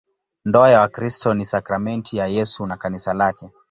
Ndoa ya Wakristo ni sakramenti ya Yesu na Kanisa lake.